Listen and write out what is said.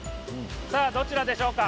さあ、どちらでしょうか？